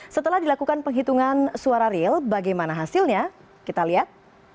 setelah dilakukan penghitungan suara real bagaimana hasilnya kita lihat